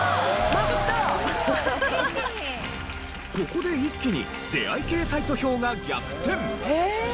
ここで一気に出会い系サイト票が逆転。